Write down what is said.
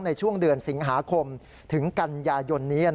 ในช่วงเดือนสิงหาคมถึงกันยายนนี้